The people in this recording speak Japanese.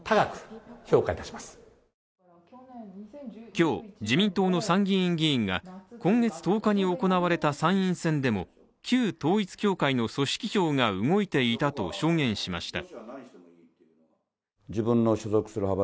今日、自民党の参議院議員が今月１０日に行われた参院選でも旧統一教会の組織票が動いていたと証言しました。